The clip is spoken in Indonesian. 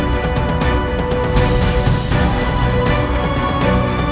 kalau begitu aku bisa menyembahmu